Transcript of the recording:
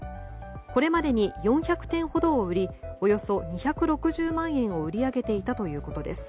これまでに４００点ほどを売りおよそ２６０万円を売り上げていたということです。